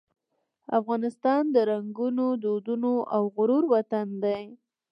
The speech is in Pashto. افغانستان د رنګونو، دودونو او غرور وطن دی.